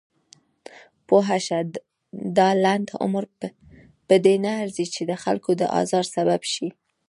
پوهه شه! دا لنډ عمر پدې نه ارزي چې دخلکو د ازار سبب شئ.